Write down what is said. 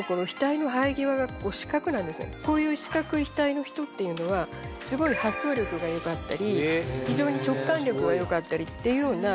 しかもこういう四角い額の人っていうのはすごい発想力がよかったり非常に直感力がよかったりっていうような